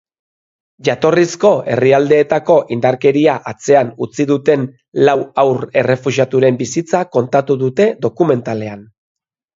Jatorrizko herrialdeetako indarkeria atzean utzi duten lau haur errefuxiaturen bizitza kontatu dute dokumentalean.